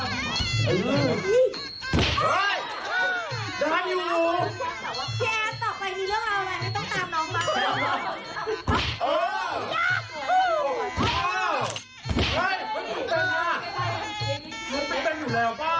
พี่แอฟต่อไปที่เรื่องอะไรไม่ต้องตามน้องมา